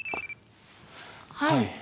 はい。